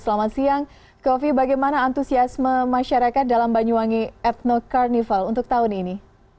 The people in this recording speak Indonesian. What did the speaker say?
selamat siang kofi bagaimana antusiasme masyarakat dalam banyuwangi ethno carnival untuk tahun ini